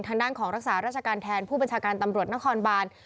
ทางด้านของรักษาราชการแทนผู้บัญชาการตำรวจนครบาน